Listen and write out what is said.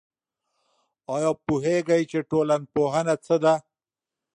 آيا پوهېږئ چي ټولنپوهنه څه ده؟